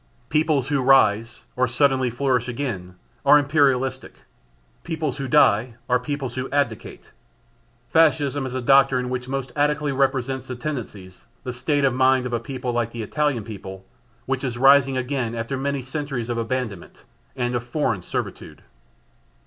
Peoples who rise, or who suddenly flourish again, are imperialistic; peoples who die are peoples who abdicate. Fascism is a doctrine which most adequately represents the tendencies, the state of mind of a people like the Italian people, which is rising again after many centuries of abandonment and of foreign servitude.